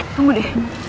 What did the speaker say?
fit tunggu deh